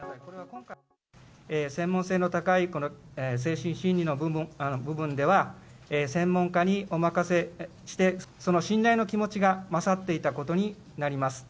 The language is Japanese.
専門性の高い、この精神心理の部分では、専門家にお任せして、その信頼の気持ちが勝っていたことになります。